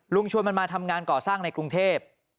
ชวนมันมาทำงานก่อสร้างในกรุงเทพ